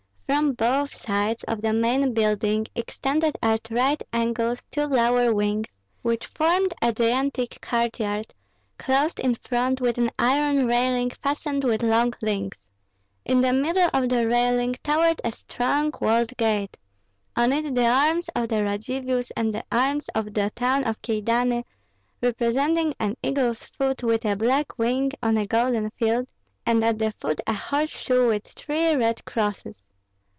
From both sides of the main building extended at right angles two lower wings, which formed a gigantic courtyard, closed in front with an iron railing fastened with long links. In the middle of the railing towered a strong walled gate; on it the arms of the Radzivills and the arms of the town of Kyedani, representing an eagle's foot with a black wing on a golden field, and at the foot a horseshoe with three red crosses.